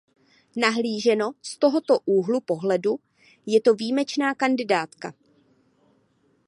Nahlíženo z tohoto úhlu pohledu je to výjimečná kandidátka.